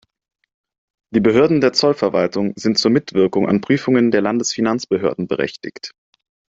Die Behörden der Zollverwaltung sind zur Mitwirkung an Prüfungen der Landesfinanzbehörden berechtigt.